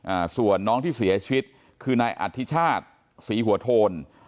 อ่าส่วนน้องที่เสียชีวิตคือนายอธิชาติศรีหัวโทน